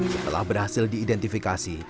setelah berhasil diidentifikasi